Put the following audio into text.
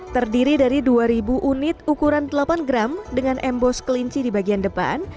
terdiri dari dua ribu unit ukuran delapan gram dengan embos kelinci di bagian depan